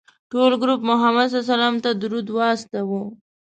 ټول ګروپ محمد علیه السلام ته درود واستوه.